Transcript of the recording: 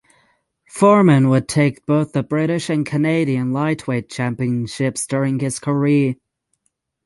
Foreman would take both the British and Canadian lightweight championships during his career.